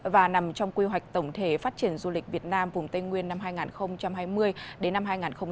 và nằm trong quy hoạch tổng thể phát triển du lịch việt nam vùng tây nguyên năm hai nghìn hai mươi đến năm hai nghìn ba mươi